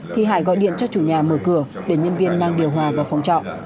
thì hải gọi điện cho chủ nhà mở cửa để nhân viên mang điều hòa vào phòng trọ